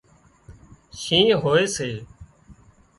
شِينهن هوئي سي